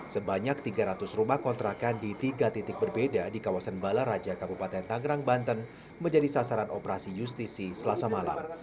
sebanyak tiga ratus rumah kontrakan di tiga titik berbeda di kawasan balaraja kabupaten tangerang banten menjadi sasaran operasi justisi selasa malam